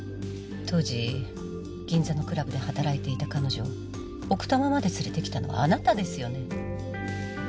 当時銀座のクラブで働いていた彼女を奥多摩まで連れてきたのはあなたですよね？